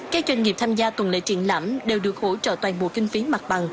các doanh nghiệp tham gia tuần lễ triển lãm đều được hỗ trợ toàn bộ kinh phí mặt bằng